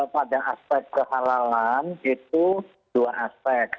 pada aspek kehalalan itu dua aspek